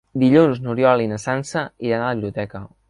Dilluns n'Oriol i na Sança iran a la biblioteca.